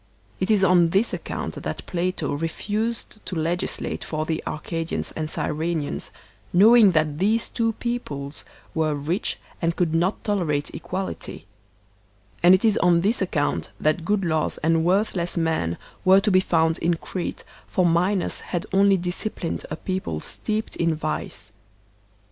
It is on this account that Plato refused to legislate for the Arcadians and Cjrrenians, knowing that these two peoples were rich and could not tolerate equality; and it is on this account that good laws 3S THE SOCIAL CONTRACT and worthless men were to be found in Crete, for Minos had only disciplined a people steeped in vice.